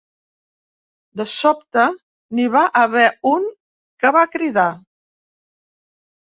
De sobte, n’hi va haver un que va cridar.